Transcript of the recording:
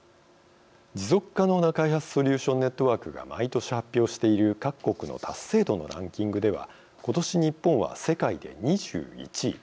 持続可能な開発ソリューション・ネットワークが毎年発表している各国の達成度のランキングでは今年、日本は世界で２１位。